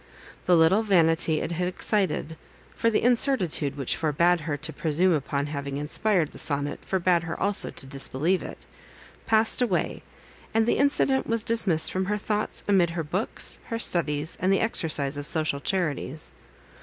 The little vanity it had excited (for the incertitude which forbade her to presume upon having inspired the sonnet, forbade her also to disbelieve it) passed away, and the incident was dismissed from her thoughts amid her books, her studies, and the exercise of social charities.